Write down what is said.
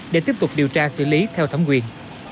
để tiếp tục điều tra xử lý theo thẩm quyền